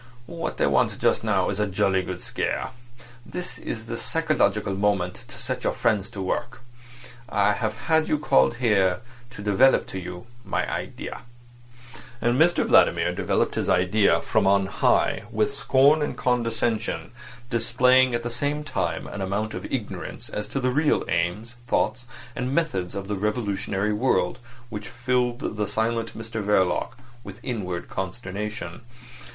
What they want just now is a jolly good scare. This is the psychological moment to set your friends to work. I have had you called here to develop to you my idea." And Mr Vladimir developed his idea from on high, with scorn and condescension, displaying at the same time an amount of ignorance as to the real aims, thoughts, and methods of the revolutionary world which filled the silent Mr Verloc with inward consternation.